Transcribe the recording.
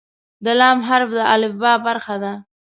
د "ل" حرف د الفبا برخه ده.